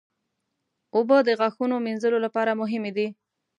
اوبه د غاښونو مینځلو لپاره مهمې دي.